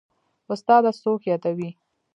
استاده څوک يادوې.